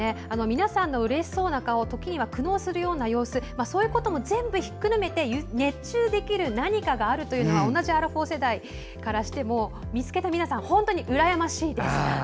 皆さんのうれしそうな顔時には苦悩するような様子そういうことも全部ひっくるめて熱中できる何かがあるというのは同じアラフォー世代からしても見つけた皆さん本当にうらやましいです。